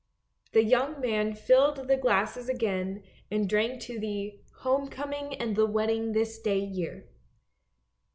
The young man filled the glasses again and drank to the " home coming and the wedding this day year."